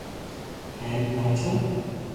ھون ناچو